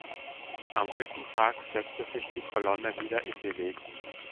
Am dritten Tag setzte sich die Kolonne wieder in Bewegung.